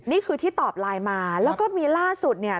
นี่คือที่ตอบไลน์มาแล้วก็มีล่าสุดเนี่ย